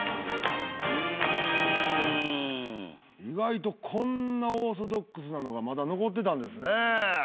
意外とこんなオーソドックスなのがまだ残ってたんですね。